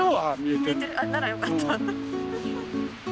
ならよかった。